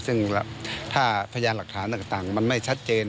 ซึ่งถ้าพยานหลักฐานต่างมันไม่ชัดเจน